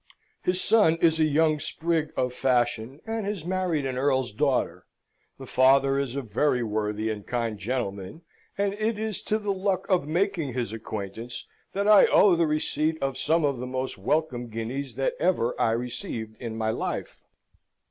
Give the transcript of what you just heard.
His son is a young sprig of fashion, and has married an earl's daughter; the father is a very worthy and kind gentleman, and it is to the luck of making his acquaintance that I owe the receipt of some of the most welcome guineas that ever I received in my life.